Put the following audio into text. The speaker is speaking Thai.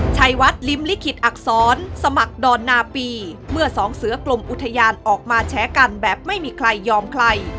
ชัยวัดลิ้มลิขิตอักษรสมัครดอนนาปีเมื่อสองเสือกลมอุทยานออกมาแฉกันแบบไม่มีใครยอมใคร